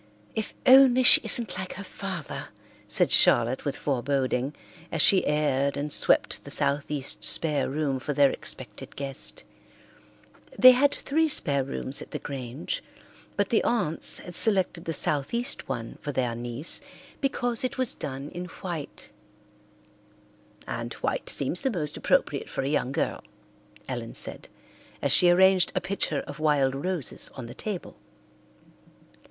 "If only she isn't like her father," said Charlotte with foreboding, as she aired and swept the southeast spare room for their expected guest. They had three spare rooms at the Grange, but the aunts had selected the southeast one for their niece because it was done in white, "and white seems the most appropriate for a young girl," Ellen said, as she arranged a pitcher of wild roses on the table.